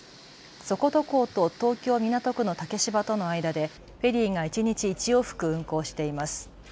底土港と東京港区の竹芝との間でフェリーが一日１往復運航しています。